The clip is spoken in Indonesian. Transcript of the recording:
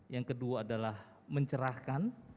yang kedua adalah mencerahkan